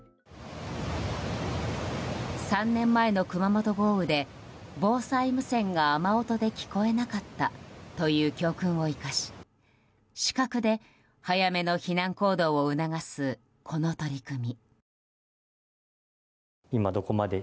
３年前の熊本豪雨で防災無線が雨音で聞こえなかったという教訓を生かし視覚で早めの避難行動を促すこの取り組み。